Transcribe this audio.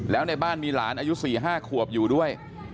แล้วในบ้านมีหลานอายุ๔๕ขวบอยู่ด้วย